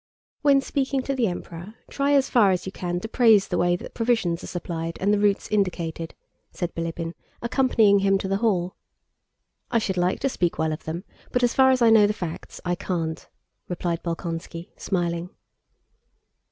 "When speaking to the Emperor, try as far as you can to praise the way that provisions are supplied and the routes indicated," said Bilíbin, accompanying him to the hall. "I should like to speak well of them, but as far as I know the facts, I can't," replied Bolkónski, smiling.